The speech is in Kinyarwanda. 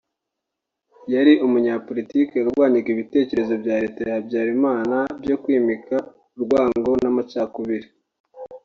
Yari umunyapolitiki warwanyaga ibitekerezo bya leta ya Habyarimana byo kwimika urwango n’amacakubiri